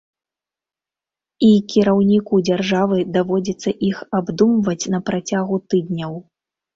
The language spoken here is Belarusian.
І кіраўніку дзяржавы даводзіцца іх абдумваць на працягу тыдняў.